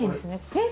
えっ？